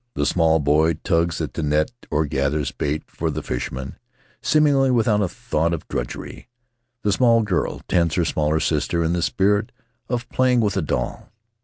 The small boy tugs at the net or gathers bait for the fishermen, seemingly without a thought of drudgery; the small girl tends her smaller sister in the spirit of playing with a doll.